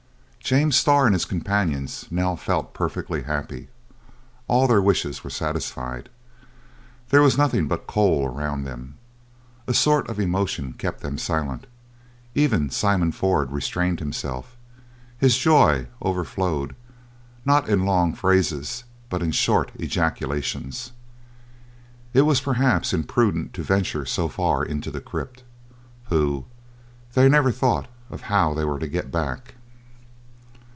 James Starr and his companions now felt perfectly happy. All their wishes were satisfied. There was nothing but coal around them. A sort of emotion kept them silent; even Simon Ford restrained himself. His joy overflowed, not in long phrases, but in short ejaculations. It was perhaps imprudent to venture so far into the crypt. Pooh! they never thought of how they were to get back.